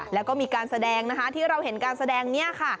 แล้วก็มีการแสดงนะคะที่เราเห็นการแสดงเนี่ยค่ะ